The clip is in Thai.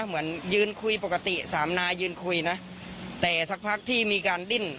เหมือนยืนคุยปกติสามนายยืนคุยนะแต่สักพักที่มีการดิ้น